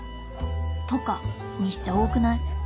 「とか」にしちゃ多くない？